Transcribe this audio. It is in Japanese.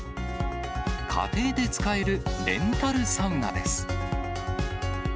家庭で使えるレンタルサウナです。